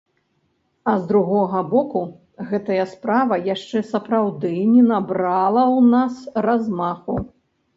А з другога боку, гэтая справа яшчэ сапраўды не набрала ў нас размаху.